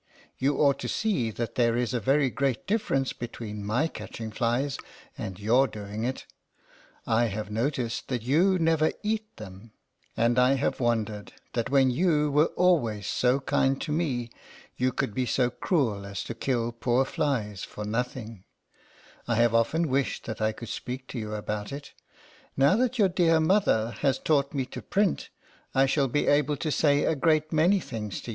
You ought to see that there is a very great difference between my catching flies and your doing it I have noticed that you never eat them, and I have wondered that when you were always so kind to me you could be so cruel as to kill poor flies for nothing : I have often wished that I could speak to you about it : now that your dear mother has taught me to print, I shall be able to say a great many things to 30 LETTERS FROM A CAT.